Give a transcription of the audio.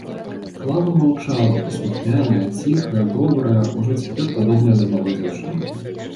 Клава маўчала, паслухмяная, ціхая, добрая, ужо цяпер падобная да малой дзяўчынкі.